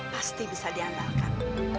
pasti bisa diandalkan